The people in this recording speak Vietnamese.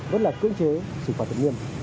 vẫn là cưỡng chế xử phạt thật nghiêm